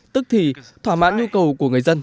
tức thì thỏa mãn nhu cầu của người dân